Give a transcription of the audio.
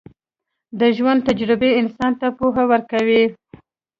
د ژوند تجربې انسان ته پوهه ورکوي.